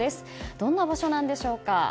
どんな場所なんでしょうか？